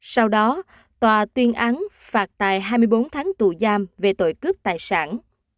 sau đó tòa tuyên án phạt tài hai mươi bốn tháng tù giam về tội cướp tài sản